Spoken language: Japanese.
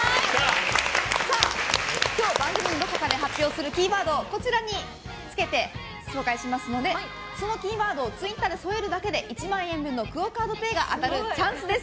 今日、番組のどこかで発表されるキーワードをこちらにつけて紹介しますのでそのキーワードをツイッターで添えるだけで１万円分のＱＵＯカードＰａｙが当たるチャンスです。